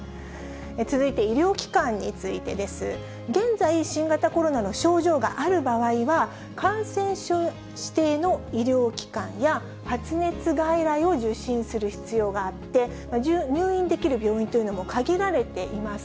続いて医療機関についてです。現在、新型コロナの症状がある場合は、感染症指定の医療機関や発熱外来を受診する必要があって、入院できる病院というのも限られています。